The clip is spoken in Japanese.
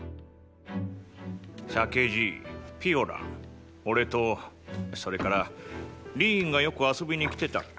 酒爺ピオランおれとそれからリーンがよく遊びに来てたっけ。